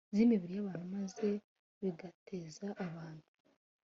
zimibiri yabantu maze bigateza abantu